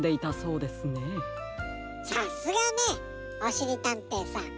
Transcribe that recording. さすがねおしりたんていさん。